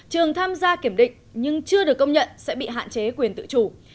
trường tham gia kiểm định nhưng chưa được công nhận sẽ bị hạn chế quyền tự chủ